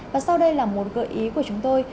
và sau đây là một gợi ý của chúng tôi